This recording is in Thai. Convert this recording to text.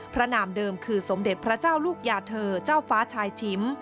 นามเดิมคือสมเด็จพระเจ้าลูกยาเธอเจ้าฟ้าชายชิม